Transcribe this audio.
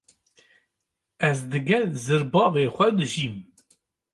Ez digel zirbavê xwe dijîm.